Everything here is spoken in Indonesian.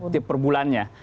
tip per bulannya